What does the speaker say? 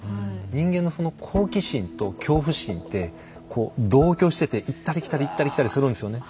人間のその好奇心と恐怖心ってこう同居してて行ったり来たり行ったり来たりするんですよね。